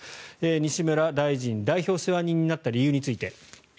西村大臣、代表世話人になった理由について。